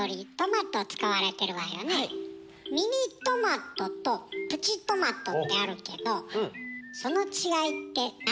ミニトマトとプチトマトってあるけどその違いって何？